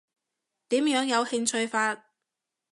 點樣有興趣法？